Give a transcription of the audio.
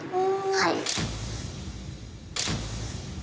はい。